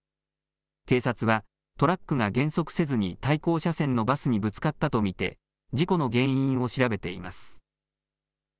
警察はトラックが減速せずに対向車線のバスにぶつかったと見て事故の原因を調べています。